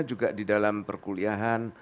juga di dalam perkuliahan